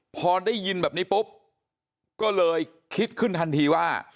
พอได้ยินแบบนี้ปุ๊บก็เลยคิดขึ้นทันทีว่า